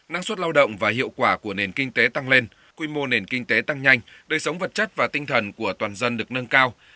năng suất lao động và hiệu quả của nền kinh tế tăng lên quy mô nền kinh tế tăng nhanh đời sống vật chất và tinh thần của toàn dân được nâng cao